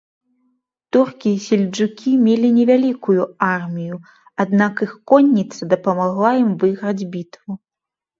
Туркі-сельджукі мелі невялікую армію, аднак іх конніца дапамагла ім выйграць бітву.